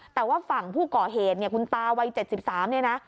แต่ว่าฝั่งผู้ก่อเหตุเนี่ยคุณตาวัย๗๓เนี่ยนะ